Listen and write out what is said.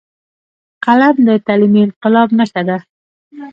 قلم د تعلیمي انقلاب نښه ده